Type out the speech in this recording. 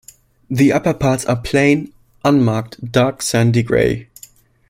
The upper parts are plain, unmarked dark sandy-grey.